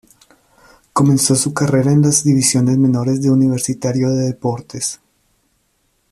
Comenzó su carrera en las divisiones menores de Universitario de Deportes.